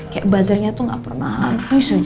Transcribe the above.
kayak bazarnya tuh gak pernah angkis